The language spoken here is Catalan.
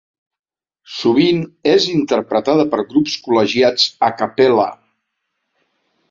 Sovint és interpretada per grups col·legiats a cappella.